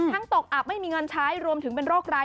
ตกอับไม่มีเงินใช้รวมถึงเป็นโรคร้าย